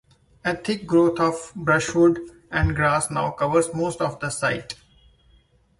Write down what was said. A thick growth of brushwood and grass now covers most of the site.